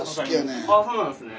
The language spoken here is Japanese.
ああそうなんですね。